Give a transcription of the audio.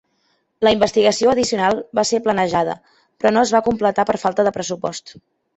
La investigació addicional va ser planejada, però no es va completar per falta de pressupost.